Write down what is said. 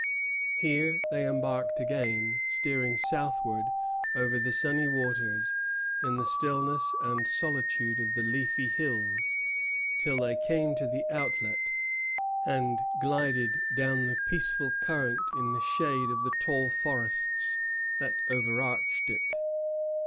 Here they embarked again, steering southward over the sunny waters, in the stillness and solitude of the leafy hills, till they came to the outlet, and glided down the peaceful current in the shade of the tall forests that overarched it.